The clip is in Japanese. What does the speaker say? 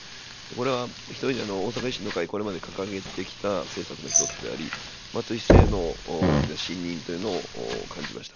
これは、ひとえに大阪維新の会、これまで掲げてきた政策の１つであり、松井市政の大きな信任というのを感じました。